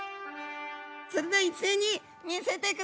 それでは一斉に見せてください！